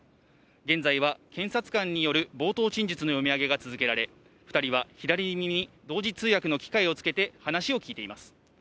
現在は検察官による冒頭陳述の読み上げが続けられ、２人は左耳に同時通訳の機械をつけて、話を聞いています。